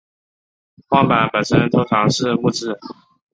晃板本身通常是木制。